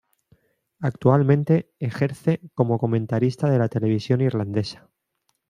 Actualmente ejerce como comentarista de la televisión irlandesa.